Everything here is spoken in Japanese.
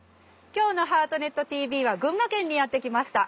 今日の「ハートネットＴＶ」は群馬県にやって来ました。